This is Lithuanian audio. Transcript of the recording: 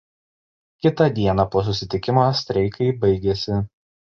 Kitą dieną po susitikimo streikai baigėsi.